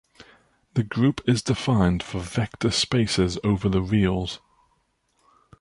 The group is defined for vector spaces over the reals.